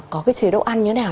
có cái chế độ ăn như thế nào